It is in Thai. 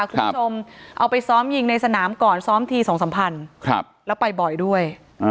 คุณผู้ชมเอาไปซ้อมยิงในสนามก่อนซ้อมทีสองสามพันแล้วไปบ่อยด้วย